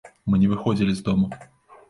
Мы не выходзілі з дому.